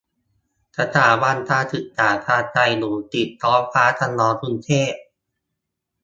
สถาบันการศึกษาทางไกล อยู่ติดท้องฟ้าจำลอง กรุงเทพ